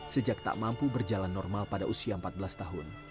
sejak tak mampu berjalan normal pada usia empat belas tahun